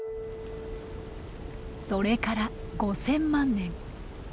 それから５，０００万年。